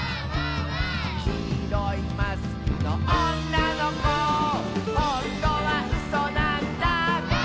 「きいろいマスクのおんなのこ」「ほんとはうそなんだ」